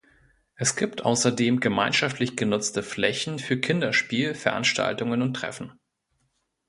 Es gibt außerdem gemeinschaftlich genutzte Flächen für Kinderspiel, Veranstaltungen und Treffen.